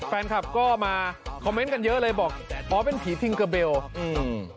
แฟนคลับก็มาคอมเมนต์กันเยอะเลยบอกอ๋อเป็นผีทิงเกอร์เบลอืม